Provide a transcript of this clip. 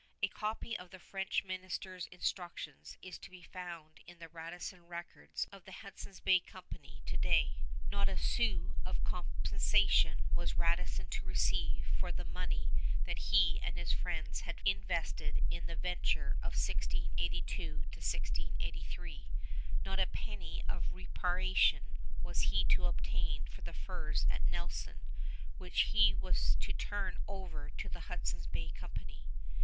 A copy of the French minister's instructions is to be found in the Radisson records of the Hudson's Bay Company to day. Not a sou of compensation was Radisson to receive for the money that he and his friends had invested in the venture of 1682 1683. Not a penny of reparation was he to obtain for the furs at Nelson, which he was to turn over to the Hudson's Bay Company.